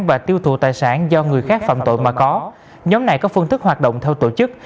và tiêu thụ tài sản do người khác phạm tội mà có nhóm này có phương thức hoạt động theo tổ chức